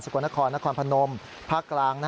สุโขนครนครพะนมภาคกลาง